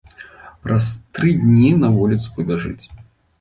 Праз тры дні на вуліцу пабяжыць.